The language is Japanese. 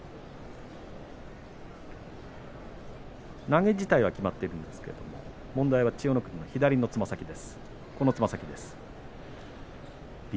投げ自体は決まっているんですが問題は千代の国の左のつま先です。